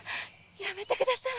やめてください！